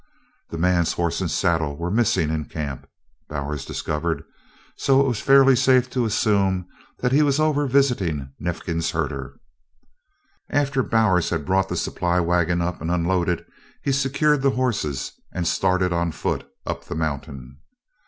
The man's horse and saddle were missing in camp, Bowers discovered, so it was fairly safe to assume that he was over visiting Neifkins's herder. After Bowers had brought the supply wagon up and unloaded, he secured the horses and started on foot up the mountain.